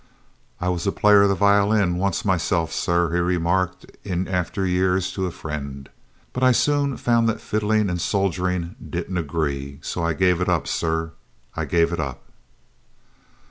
"I was a player of the violin once myself, sir," he remarked in after years to a friend; "but I soon found that fiddling and soldiering didn't agree so I gave it up, sir! I gave it up!"